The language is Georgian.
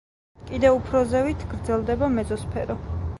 კიდევ უფრო ზევით გრძელდება მეზოსფერო.